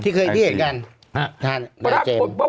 ที่เคยเรียกกัน